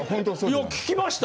いや聞きました。